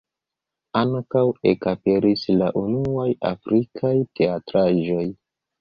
Ankaŭ ekaperis la unuaj afrikaj teatraĵoj.